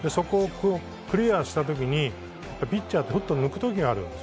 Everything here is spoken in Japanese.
クリアした時にピッチャーってふと抜くときがあるんです。